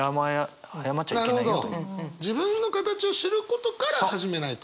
自分の形を知ることから始めないと。